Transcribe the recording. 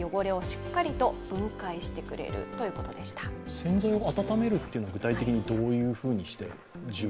洗剤を温めるっていうのは具体的にどういうふうにして？